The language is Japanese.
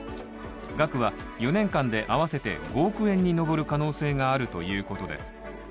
額は４年間で合わせて５億円に上る可能性があるということです。